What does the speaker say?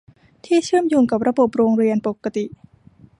ที่เชื่อมโยงกับระบบโรงเรียนปกติ